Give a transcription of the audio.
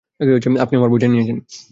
আপনি আমার বইটা নিয়েছেন।